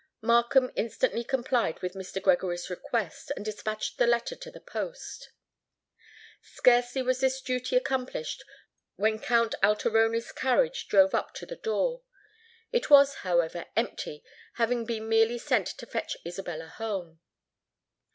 Markham instantly complied with Mr. Gregory's request, and despatched the letter to the post. Scarcely was this duty accomplished, when Count Alteroni's carriage drove up to the door. It was, however, empty, having been merely sent to fetch Isabella home.